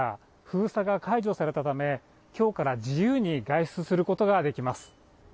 封鎖が解除されたため、きょうから自由に外出することができます。